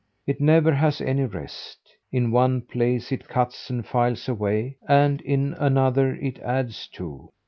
It never has any rest. In one place it cuts and files away, and in another it adds to.